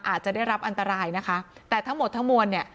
อาจจะได้รับอันตรายนะคะแต่ทั้งหมดทั้งมวลเนี่ย